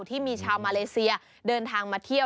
ที่มีชาวมาเลเซียเดินทางมาเที่ยว